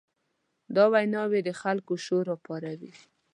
دا ویناوې د خلکو شور راپاروي.